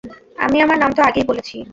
আমি আমার নাম তো আগেই বলেছি।